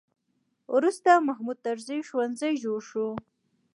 وروسته محمود طرزي ښوونځی جوړ شو.